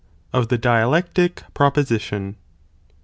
—Of the Dialectic Proposition. 1.